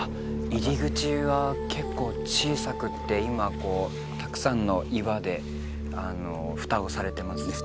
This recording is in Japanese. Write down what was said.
入り口は結構小さくて今こうたくさんの岩で蓋をされてます